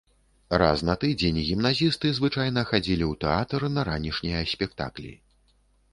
Раз на тыдзень гімназісты звычайна хадзілі ў тэатр на ранішнія спектаклі.